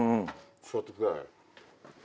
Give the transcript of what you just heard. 座ってください。